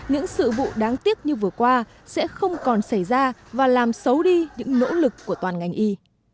những sự vụ đáng tiếc như vừa qua sẽ không còn xảy ra và làm xấu đi những nỗ lực của toàn ngành y